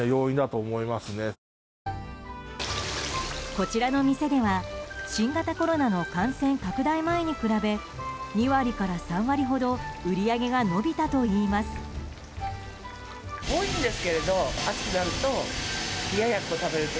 こちらの店では新型コロナの感染拡大前に比べ２割から３割ほど売り上げが伸びたといいます。